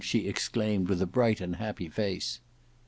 she exclaimed with a bright and happy face.